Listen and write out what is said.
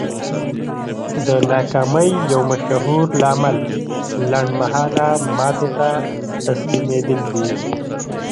د ناکامۍ يو مشهور لامل لنډ مهاله ماتو ته تسليمېدل دي.